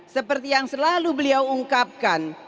seperti yang selalu beliau ungkapkan